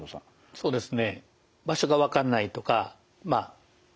そうですね。